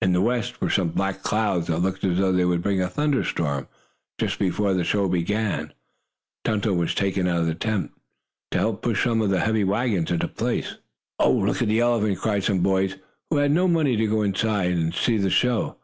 In the west were some black clouds that looked as though they would bring a thunder shower. Just before the show began, Tum Tum was taken out of the tent to help push some of the heavy wagons into place. "Oh, look at the elephant!" cried some boys who had no money to go inside and see the show.